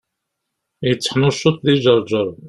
Yetteḥnuccuḍ di Ǧerǧer.